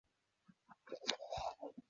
埃里克八世。